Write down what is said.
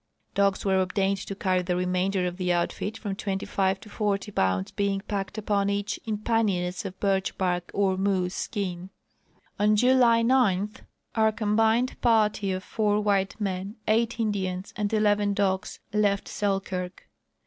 Dogs were obtained to carry the remainder of the outfit, from twenty five to forty poun ds being packed uj)on each in panniers of birch bark or moose skin. On July 9 our combined party of four white men, eight In dians, and eleven dogs left Selkirk.